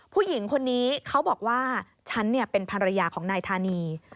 ผู้หญิงคนนี้เขาบอกว่าฉันเป็นภรรยาของนายธานี